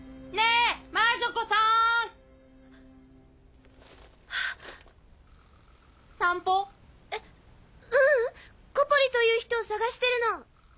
えっううんコポリという人を捜してるの。